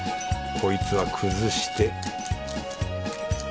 こいつは崩して